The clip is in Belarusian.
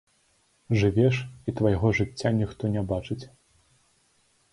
Жывеш, і твайго жыцця ніхто не бачыць.